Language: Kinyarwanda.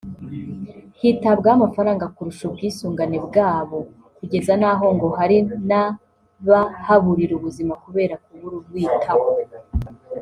hitabwaho amafaranga kurusha ubwisungane bwabo kugeza n’aho ngo hari n’abahaburira ubuzima kubera kubura ubitaho